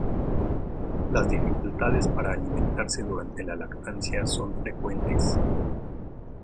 Las dificultades para alimentarse durante la lactancia son frecuentes.